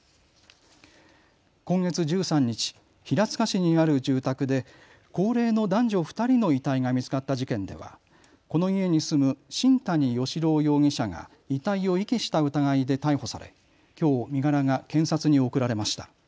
今月１３日、平塚市にある住宅で高齢の男女２人の遺体が見つかった事件ではこの家に住む新谷嘉朗容疑者が遺体を遺棄した疑いで逮捕されきょう身柄が検察に送られました。